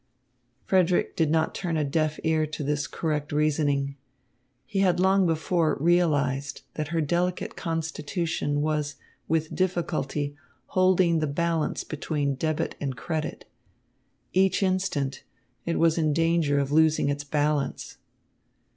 Frederick did not turn a deaf ear to this correct reasoning. He had long before realised that her delicate constitution was with difficulty holding the balance between debit and credit. Each instant it was in danger of losing its balance.